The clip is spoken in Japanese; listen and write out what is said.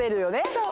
そう。